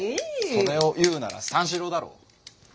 それを言うなら「三四郎」だろう。